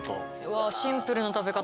わシンプルな食べ方。